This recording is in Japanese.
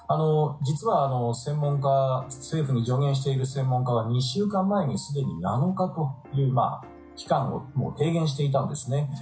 実は政府に助言している専門家は２週間前にすでに７日という期間をもう提言していたんですね。